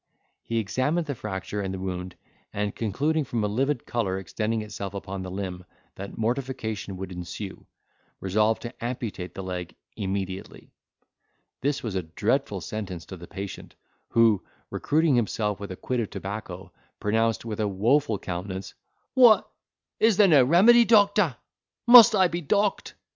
He examined the fracture and the wound, and concluding, from a livid colour extending itself upon the limb, that mortification would ensue, resolved to amputate the leg immediately. This was a dreadful sentence to the patient, who, recruiting himself with a quid of tobacco, pronounced with a woful countenance, "What! is there no remedy, doctor! must I be dock'd?